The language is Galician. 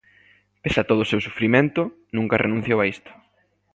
Pese a todo o seu sufrimento, nunca renunciou a isto.